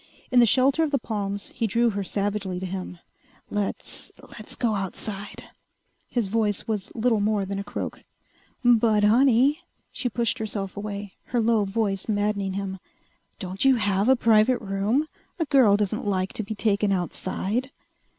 In the shelter of the palms he drew her savagely to him. "Let's let's go outside." His voice was little more than a croak. "But, honey!" She pushed herself away, her low voice maddening him. "Don't you have a private room? A girl doesn't like to be taken outside...."